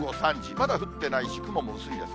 まだ降ってないし、雲も薄いです。